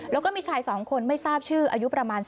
แล้วก็มีชายสองคนไม่ทราบชื่ออายุประมาณ๓๐๓๕ปี